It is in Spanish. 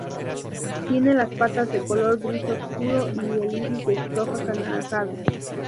Tiene las patas de color gris oscuro y el iris de los ojos anaranjado.